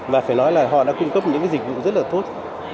và phải nói là họ đã cung cấp những dịch vụ rất là tốt